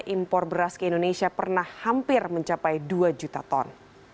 impor beras ke indonesia pernah hampir mencapai dua juta ton